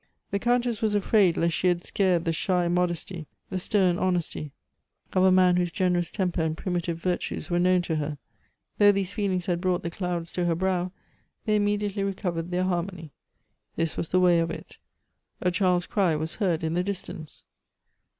The Countess was afraid lest she had scared the shy modesty, the stern honesty, of a man whose generous temper and primitive virtues were known to her. Though these feelings had brought the clouds to her brow, they immediately recovered their harmony. This was the way of it. A child's cry was heard in the distance.